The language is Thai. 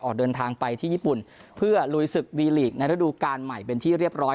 เดินทางไปที่ญี่ปุ่นเพื่อลุยศึกวีลีกในฤดูการใหม่เป็นที่เรียบร้อย